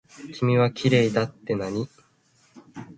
君はきれいだってなに。